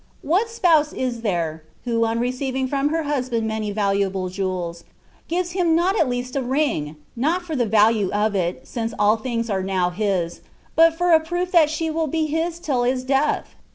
What spouse is there, who on receiving from her husband many valuable jewels, gives him not at least a ring — not for the value of it, since all things are now his, but for a proof that she will be his till death